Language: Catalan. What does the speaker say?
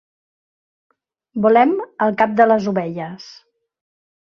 Volem el cap de les ovelles.